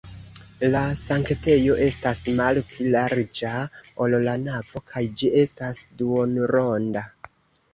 La sanktejo estas malpli larĝa, ol la navo kaj ĝi estas duonronda.